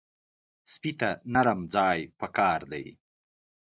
سپي ته نرم ځای پکار دی.